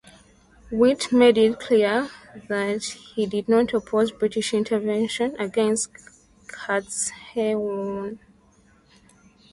Witt made it clear that he did not oppose British intervention against Cetshwayo.